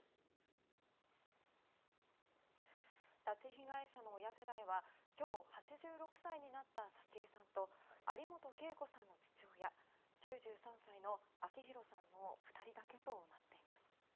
拉致被害者の親世代は今日８６歳になった早紀江さんと有本恵子さんの父親９３歳の明弘さんの２人だけとなっています。